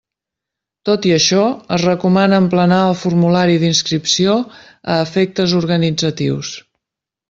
Tot i això, es recomana emplenar el formulari d'inscripció a efectes organitzatius.